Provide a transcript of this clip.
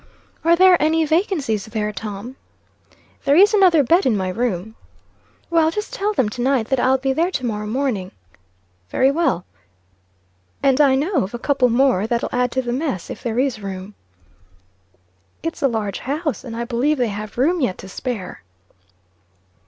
"Are there any vacancies there, Tom?" "There is another bed in my room." "Well, just tell them, to night, that I'll be there to morrow morning." "Very well." "And I know of a couple more that'll add to the mess, if there is room." "It's a large house, and I believe they have room yet to spare."